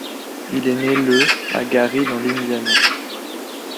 Il est né le à Gary dans l'Indiana.